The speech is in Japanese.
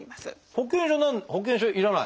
保険証保険証要らない？